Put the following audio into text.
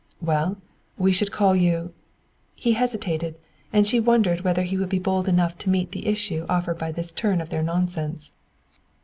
"Well, we should call you " He hesitated, and she wondered whether he would be bold enough to meet the issue offered by this turn of their nonsense.